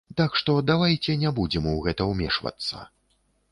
Так што давайце не будзем у гэта ўмешвацца.